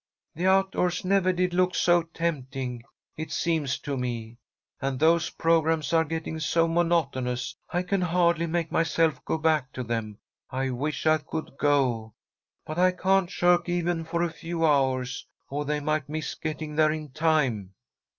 "The outdoors never did look so tempting, it seems to me, and those programmes are getting so monotonous I can hardly make myself go back to them. I wish I could go. But I can't shirk even for a few hours, or they might miss getting there in time."